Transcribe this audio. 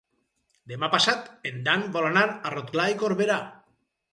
Demà passat en Dan vol anar a Rotglà i Corberà.